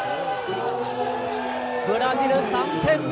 ブラジル、３点目！